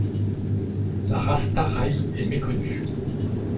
La race Tarāi est méconnue.